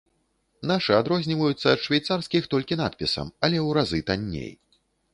Нашы адрозніваюцца ад швейцарскіх толькі надпісам, але ў разы танней.